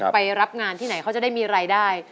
ไปรับงานที่ไหนเขาจะได้มีรายได้